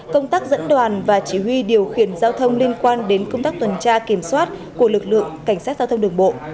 công tác dẫn đoàn và chỉ huy điều khiển giao thông liên quan đến công tác tuần tra kiểm soát của lực lượng cảnh sát giao thông đường bộ